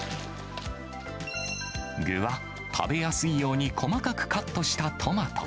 具は、食べやすいように細かくカットしたトマト。